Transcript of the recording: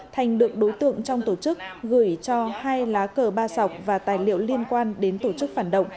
thành được đối tượng trong tổ chức gửi cho hai lá cờ ba sọc và tài liệu liên quan đến tổ chức phản động